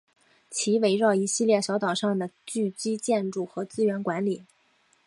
其围绕一系列小岛上的聚居建筑和资源管理。